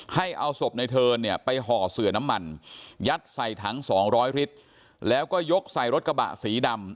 ให้เอาศพในเทิร์นเนี่ยไปห่อเสือน้ำมันยัดใส่ถัง๒๐๐ลิตรแล้วก็ยกใส่รถกระบะสีดำ